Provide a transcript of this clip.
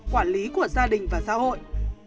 quản lý của gia đình và xã hội